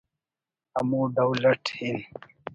ہمو ڈول اٹ ہِن